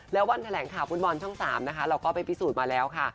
แล้ววันแถลงข่าวฟุตบอลช่อง๓นะคะเราก็ไปพิสูจน์มาแล้วค่ะ